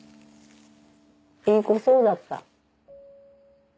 いい子そうだった。